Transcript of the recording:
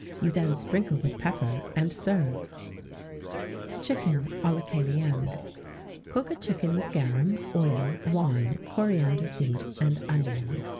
You then sprinkle with pepper, and serve.[XVII 35] Chicken à la Cœlienne. Cook a chicken with garum, oil, wine, coriander seed, and onion.